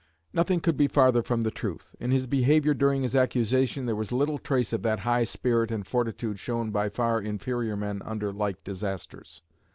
Nothing could be farther from the truth. In his behaviour during his accusation there was little trace of that high spirit and fortitude shown by far inferior men under like disasters.